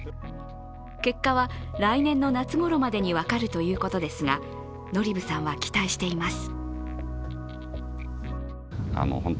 結果は来年の夏ごろまでに分かるということですがノリブさんは期待しています。